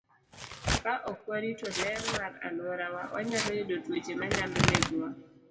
Ka ok warito ler mar alworawa, wanyalo yudo tuoche manyalo negowa.